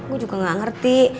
gue juga gak ngerti